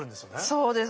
そうです。